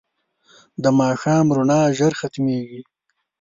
د ماښام رڼا ژر ختمېږي